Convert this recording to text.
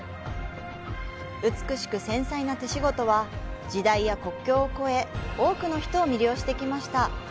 美しく繊細な手仕事は時代や国境を越え多くの人を魅了してきました。